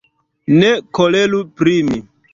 Ne koleru pri mi.